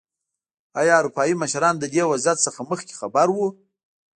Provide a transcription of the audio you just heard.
ایا اروپايي مشران له دې وضعیت څخه مخکې خبر وو.